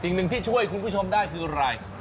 หนึ่งที่ช่วยคุณผู้ชมได้คืออะไร